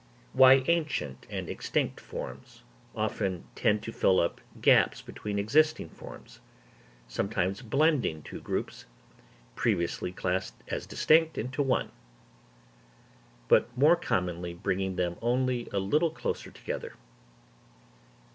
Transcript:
Why ancient and extinct forms often tend to fill up gaps between existing forms, sometimes blending two groups, previously classed as distinct into one; but more commonly bringing them only a little closer together.